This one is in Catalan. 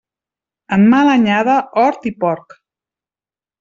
En mala anyada, hort i porc.